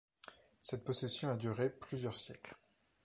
Cette possession a duré plusieurs siècles.